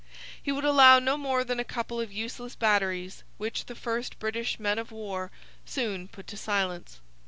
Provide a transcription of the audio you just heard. He would allow no more than a couple of useless batteries, which the first British men of war soon put to silence.